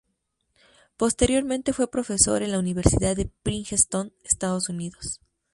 Posteriormente fue profesor en la Universidad de Princeton, Estados Unidos.